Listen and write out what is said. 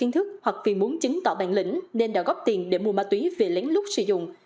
thức hoặc vì muốn chứng tỏ bản lĩnh nên đã góp tiền để mua ma túy về lén lút sử dụng